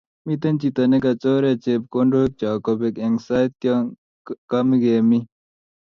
Mitei chito nekachorech chepkondok chok kobek eng sait yo kamikemii